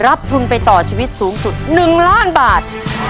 ทุนไปต่อชีวิตสูงสุด๑ล้านบาท